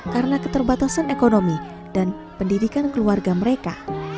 karena keterbatasan ekonomi dan pendidikan keluarga mereka